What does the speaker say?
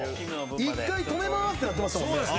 一回止めますってなってましたもんね。